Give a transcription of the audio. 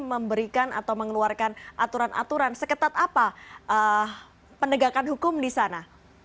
memberikan atau mengeluarkan aturan aturan seketat apa penegakan hukum di sana